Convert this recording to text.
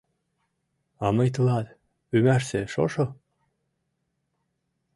А мый тылат — Ӱмашсе шошо?